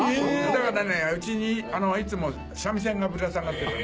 だから家にいつも三味線がぶら下がってたの。